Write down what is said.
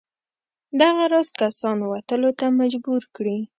دغه راز کسان وتلو ته مجبور کړي.